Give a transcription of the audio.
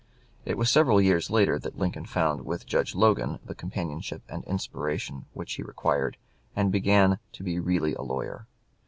It was several years later that Lincoln found with Judge Logan the companionship and inspiration which he required, and began to be really a lawyer.